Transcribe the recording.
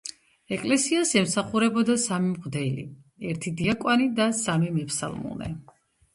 ეკლესიას ემსახურებოდა სამი მღვდელი, ერთი დიაკვანი და სამი მეფსალმუნე.